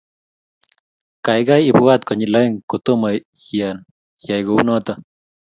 Kaikai ipwat konyil aeng kotomo iyan iyai kounoto